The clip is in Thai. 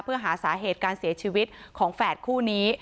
เพื่อหาสาเหตุการเสียชีวิตของแฝดคู่นี้